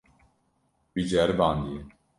Wî ceribandiye.